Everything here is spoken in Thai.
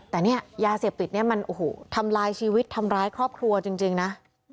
แต่เนี่ยยาเสพติดมันทำลายชีวิตทำลายครอบครัวจริงนะ